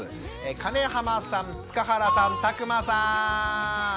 金濱さん塚原さん田熊さん！